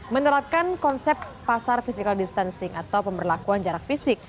menerapkan konsep pasar physical distancing atau pemberlakuan jarak fisik